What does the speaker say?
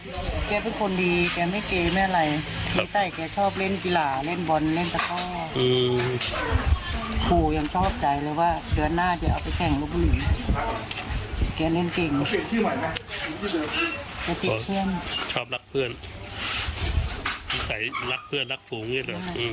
แม่บอกว่าไม่เคยรู้จักเขามาก่อนตอนนี้แม่เสียใจมากกว่าถึงที่สุด